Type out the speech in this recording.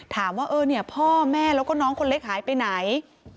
ถามว่าเออเนี่ยพ่อแม่แล้วก็น้องคนเล็กหายไปไหน